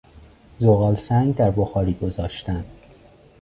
زغالسنگ در بخاری گذاشتن